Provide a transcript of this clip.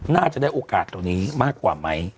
น่าจะได้โอกาสตรงนี้มากกว่าไหม